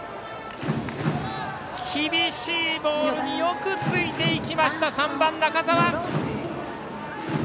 厳しいボールによくついていった３番、中澤！